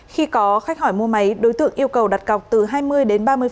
khi có khách hỏi mua máy đối tượng yêu cầu đặt cọc từ hai mươi đến ba mươi